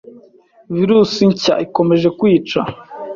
Virus nshya ikomeje kwica,